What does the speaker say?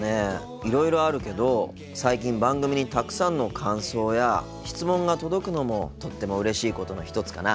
いろいろあるけど最近番組にたくさんの感想や質問が届くのもとってもうれしいことの一つかな。